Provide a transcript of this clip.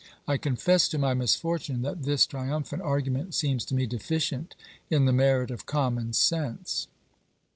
I 346 OBERMANN confess, to my misfortune, that this triumphant argument seems to me deficient in the merit of common sense.